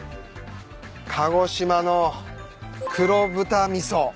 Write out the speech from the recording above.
鹿児島の黒豚みそ。